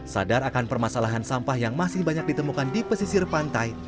sadar akan permasalahan sampah yang masih banyak ditemukan di pesisir pantai